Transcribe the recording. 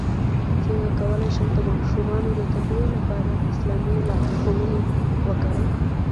څنګه کولی شم د ماشومانو د تربیې لپاره اسلامي لارښوونې وکاروم